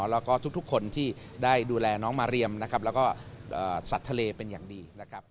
แล้วก็ทุกคนที่ได้ดูแลน้องมาเรียมแล้วก็สัดทะเลเป็นอย่างดี